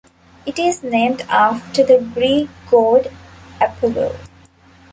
It is named after the Greek god Apollo.